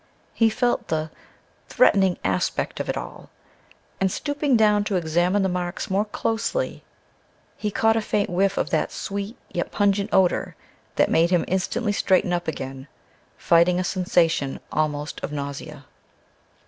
He felt the threatening aspect of it all. And, stooping down to examine the marks more closely, he caught a faint whiff of that sweet yet pungent odor that made him instantly straighten up again, fighting a sensation almost of nausea.